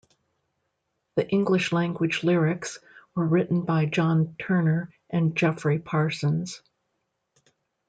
The English language lyrics were written by John Turner and Geoffrey Parsons.